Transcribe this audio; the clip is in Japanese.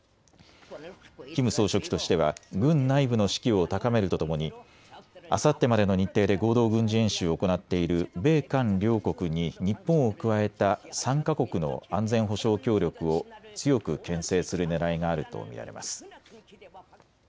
キム総書記としては軍内部の士気を高めるとともにあさってまでの日程で合同軍事演習を行っている米韓両国に日本を加えた３か国の安全保障協力を強くけん制するねらいがあると見られます。